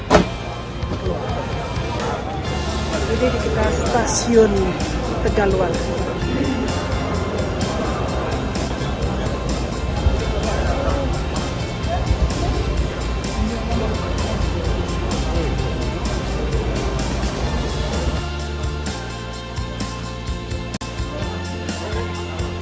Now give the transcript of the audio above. di setiap berfareanya ke summary ya